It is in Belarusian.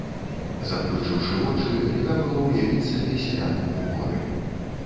Заплюшчыўшы вочы, льга было ўявіць сабе сялянку ў горы.